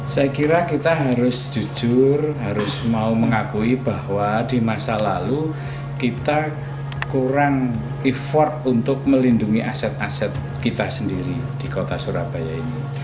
saya kira kita harus jujur harus mau mengakui bahwa di masa lalu kita kurang effort untuk melindungi aset aset kita sendiri di kota surabaya ini